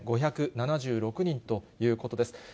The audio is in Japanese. ２万１５７６人ということです。